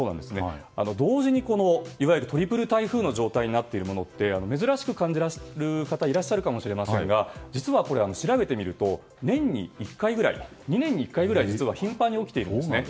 同時にいわゆるトリプル台風の状態になっているものは珍しく感じる方もいらっしゃるかもしれませんが実は、これは調べてみると２年に１回ぐらい実は頻繁に起きているんです。